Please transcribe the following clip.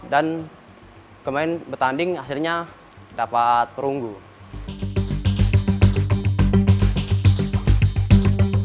dan kemaren bertanding hasilnya dapat perungguan dan kemudian saya berhasil mencapai keputusan kelima di kelas